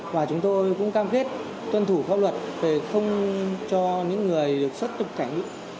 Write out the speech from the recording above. và chúng tôi cũng cam kết tuân thủ pháp luật về không cho những người được xuất nhập cảnh